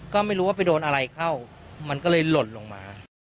ก็ไม่รู้ว่าไปโดนอะไรเข้ามันก็เลยหล่นลงมา